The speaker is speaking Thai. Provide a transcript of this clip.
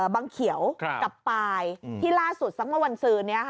บางเขียวกับปลายที่ล่าสุดสักมาวันสือ